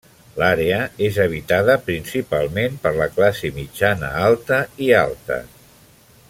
L'àrea és habitada principalment per la classe mitjana-alta i alta.